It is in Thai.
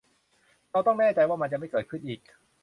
เราต้องแน่ใจว่ามันจะไม่เกิดขึ้นอีก